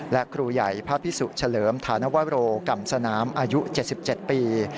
และครูใหญ่พระพิสุเฉลิมธานวโรกรรมสนามอายุ๗๗ปี